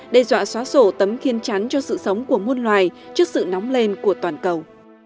đe dọa xóa sổ tấm khiên chắn cho sự sống của muôn loài trước sự nóng lên của toàn cầu